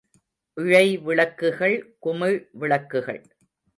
இழைவிளக்குகள் குமிழ் விளக்குகள்.